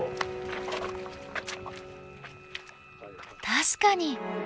確かに。